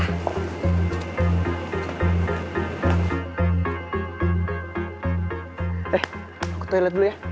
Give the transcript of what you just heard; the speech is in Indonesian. oke aku toilet dulu ya